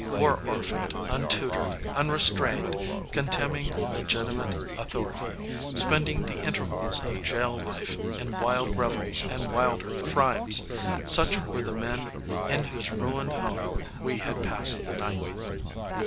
War orphaned, untutored, unrestrained, contemning legitimate authority, spending the intervals of jail life in wild revels and wilder crimes, such were the men in whose ruined home we had passed the night.